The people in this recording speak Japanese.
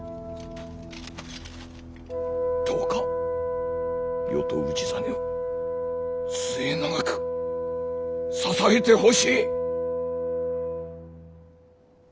どうか余と氏真を末永く支えてほしい。